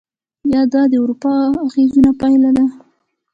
یا دا د اروپایي اغېزو پایله وه؟